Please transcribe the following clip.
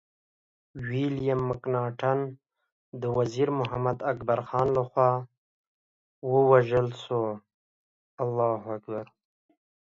ويليم مکناټن د وزير محمد اکبر خان لخوا ووژل شو.